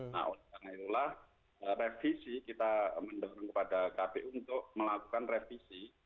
nah oleh karena itulah revisi kita mendorong kepada kpu untuk melakukan revisi